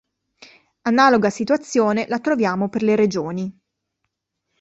Analoga situazione la troviamo per le Regioni.